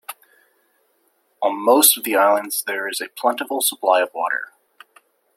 On most of the islands there is a plentiful supply of water.